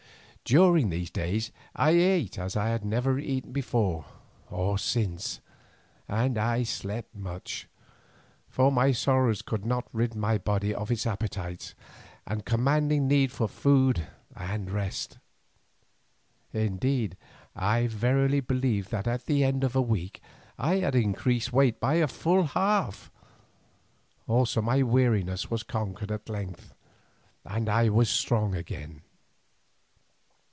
During those days I ate as I have never eaten before or since, and I slept much, for my sorrows could not rid my body of its appetites and commanding need for food and rest. Indeed I verily believe that at the end of a week, I had increased in weight by a full half; also my weariness was conquered at length, and I was strong again.